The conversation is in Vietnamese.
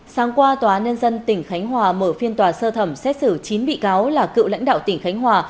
sáng qua tòa nhân dân tỉnh khánh hòa mở phiên tòa sơ thẩm xét xử chín bị cáo là cựu lãnh đạo tỉnh khánh hòa